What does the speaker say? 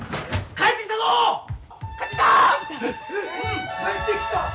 帰ってきた！